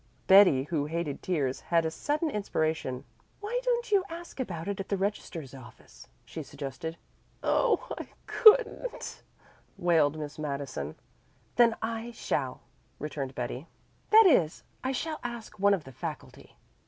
Betty, who hated tears, had a sudden inspiration. "Why don't you ask about it at the registrar's office?" she suggested. "Oh, I couldn't," wailed Miss Madison. "Then I shall," returned Betty. "That is, I shall ask one of the faculty."